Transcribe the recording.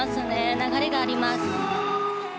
流れがあります。